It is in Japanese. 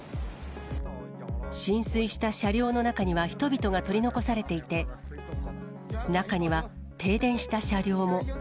浸水した車両の中には、人々が取り残されていて、中には停電した車両も。